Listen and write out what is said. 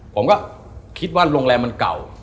ผมก็คิดว่าโรงแรมมันเก่า